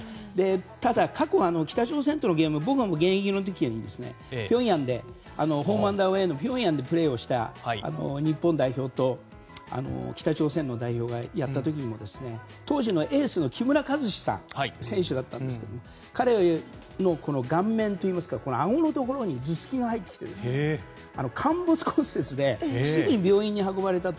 ただ過去、北朝鮮とのゲーム僕が現役の時にホームアンドアウェーでピョンヤンでプレーした日本代表と北朝鮮の代表がやった時も当時のエースの木村選手の彼の顔面といいますかあごのところに頭突きが入って陥没骨折ですぐに病院に運ばれたと。